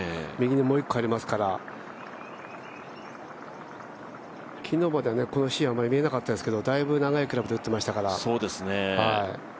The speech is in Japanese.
右にもう一個ありますから、昨日までは、このシーンはあまり見られなかったですけど、だいぶ長いクラブで打ってましたから。